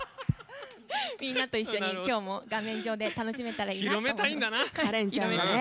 みんなと一緒にきょうも画面上で楽しめたらなと思います。